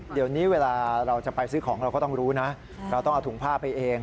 เดี๋ยวนี้เวลาเราจะไปซื้อของเราก็ต้องรู้นะเราต้องเอาถุงผ้าไปเอง